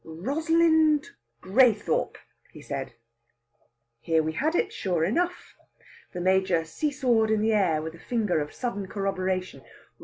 "Rosalind Graythorpe," he said. There we had it, sure enough! The Major see sawed in the air with a finger of sudden corroboration.